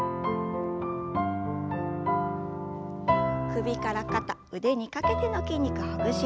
首から肩腕にかけての筋肉ほぐします。